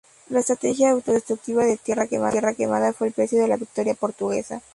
La estrategia autodestructiva de tierra quemada fue el precio de la victoria portuguesa.